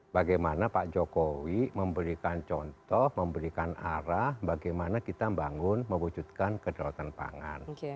bagaimana pak jokowi memberikan contoh memberikan arah bagaimana kita membangun mewujudkan kedaulatan pangan